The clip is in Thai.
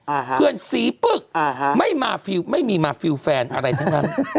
อ่ะฮะเพื่อนสีปึ๊กอ่าฮะไม่มาไม่มีมาแฟนอะไรทั้งนั้น